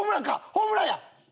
ホームランや！